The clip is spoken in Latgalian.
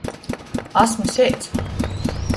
Asmu seits.